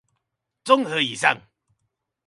綜合以上